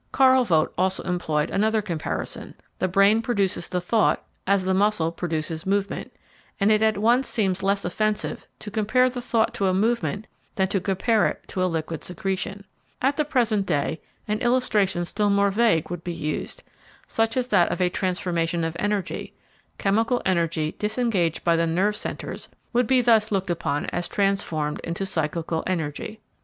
Karl Vogt also employed another comparison: the brain produces the thought as the muscle produces movement, and it at once seems less offensive to compare the thought to a movement than to compare it to a liquid secretion. At the present day, an illustration still more vague would be used, such as that of a transformation of energy: chemical energy disengaged by the nerve centres would be thus looked upon as transformed into psychical energy.